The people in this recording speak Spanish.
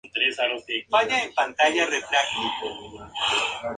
Nacido en Granada, es el primer traductor de Vitruvio al idioma español.